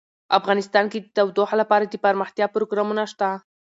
افغانستان کې د تودوخه لپاره دپرمختیا پروګرامونه شته.